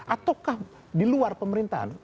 ataukah di luar pemerintahan